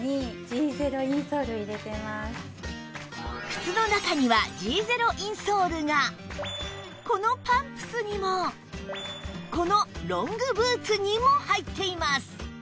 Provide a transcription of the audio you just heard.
靴の中にはこのパンプスにもこのロングブーツにも入っています